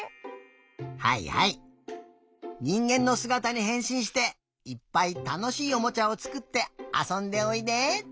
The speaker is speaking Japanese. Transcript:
はいはいにんげんのすがたにへんしんしていっぱいたのしいおもちゃをつくってあそんでおいで。